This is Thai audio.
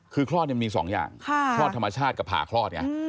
คือคลอดมี๒อย่างคลอดธรรมชาติกับผ่าคลอดไง